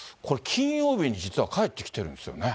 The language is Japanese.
金曜日に実は返ってきてるんですよね。